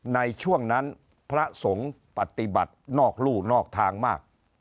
ในช่วงนั้นพระสงฆ์ปฏิบัตินอกลู่นอกทางมาก